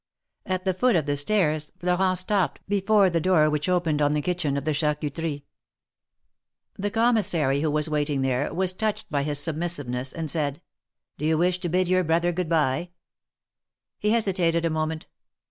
At the foot of the stairs Florent stopped before the door which opened on the kitchen of the Charcuterie. The Commissary, who was waiting there, was touched by his submissiveness, and said; THE MARKETS OF PARIS. 305 Do you wish to bid your brother good bye ?" He hesitated a moment.